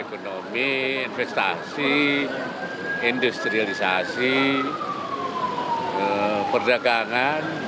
ekonomi investasi industrialisasi perdagangan saya kira